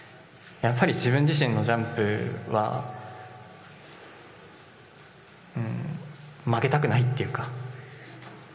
やっぱり自分自身のジャンプは曲げたくないっていうか。